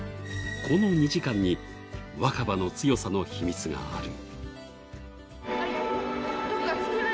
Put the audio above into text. この２時間に若葉の強さの秘密がある。